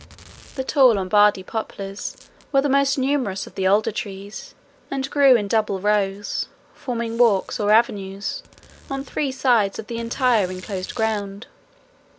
The tall Lombardy poplars were the most numerous of the older trees, and grew in double rows, forming walks or avenues, on three sides of the entire enclosed ground.